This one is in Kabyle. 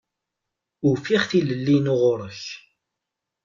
Ufiɣ tilelli-inu ɣur-k.